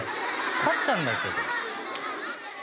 勝ったんだけど。